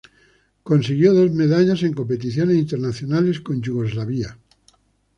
Consiguió dos medallas en competiciones internacionales con Yugoslavia.